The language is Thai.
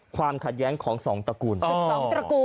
ความขัดแย้งของ๒ตระกูล